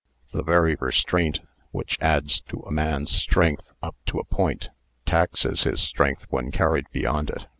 The very restraint which adds to a man's strength up to a point, taxes his strength when carried beyond it.